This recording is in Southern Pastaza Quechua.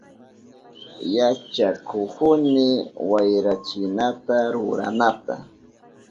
Yachakuhuni wayrachinata ruranata.